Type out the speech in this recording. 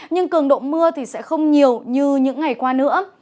nhưng cường độ mưa thì sẽ không nhiều như những ngày qua nữa